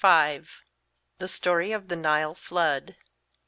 17 5. THE STORY OP THE NILE FLOOD.